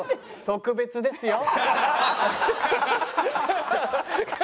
「特別ですよ」。